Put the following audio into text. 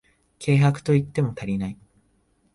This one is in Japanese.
軽薄と言っても足りない